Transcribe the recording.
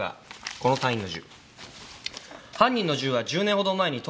この隊員の。